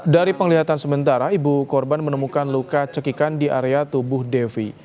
dari penglihatan sementara ibu korban menemukan luka cekikan di area tubuh devi